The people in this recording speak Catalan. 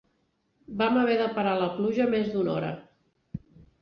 Vam haver de parar la pluja més d'una hora.